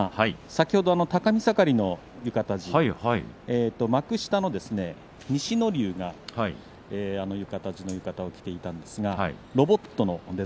先ほど高見盛の浴衣地幕下の西乃龍が、あの浴衣地の浴衣を着ていました。